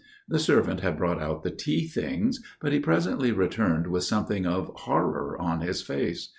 The servant had brought out the tea things, but he presently returned with something of horror on his face.